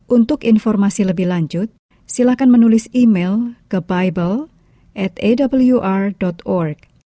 untuk informasi lebih lanjut silakan menulis email ke bible awr org